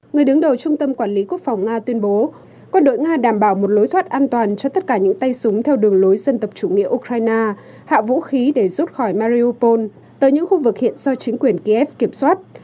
người đứng đầu trung tâm quản lý quốc phòng nga tuyên bố quân đội nga đảm bảo một lối thoát an toàn cho tất cả những tay súng theo đường lối dân tập chủ nghĩa ukraine hạ vũ khí để rút khỏi mariopol tới những khu vực hiện do chính quyền kiev kiểm soát